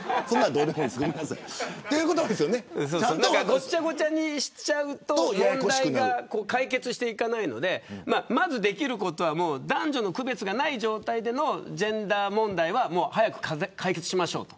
ごちゃごちゃにしちゃうと問題が解決していかないのでまずできることは男女の区別がない状態でのジェンダー問題は早く解決しましょうと。